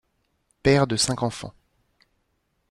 Père de cinq enfants.